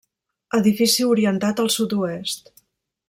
Edifici orientat al sud-oest.